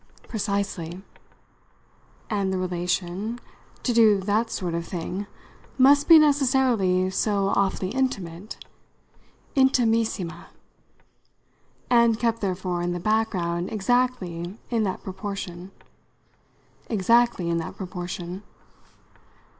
"Precisely." "And the relation to do that sort of thing must be necessarily so awfully intimate." "Intimissima." "And kept therefore in the background exactly in that proportion." "Exactly in that proportion."